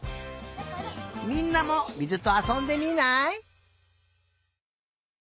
みんなもみずとあそんでみない？